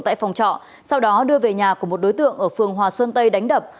tại phòng trọ sau đó đưa về nhà của một đối tượng ở phường hòa xuân tây đánh đập